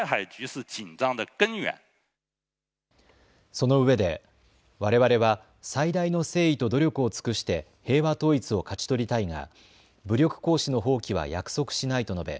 そのうえでわれわれは最大の誠意と努力を尽くして平和統一を勝ち取りたいが武力行使の放棄は約束しないと述べ